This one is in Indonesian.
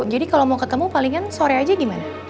jadi kalau mau ketemu palingan sore aja gimana